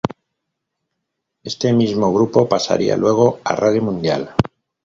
Este mismo grupo pasaría luego a Radio Mundial.